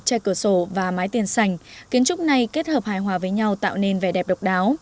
chai cửa sổ và mái tiền sành kiến trúc này kết hợp hài hòa với nhau tạo nên vẻ đẹp độc đáo